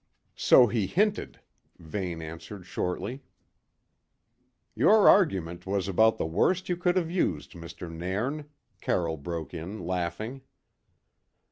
"So he hinted," Vane answered shortly. "Your argument was about the worst you could have used, Mr. Nairn," Carroll broke in, laughing.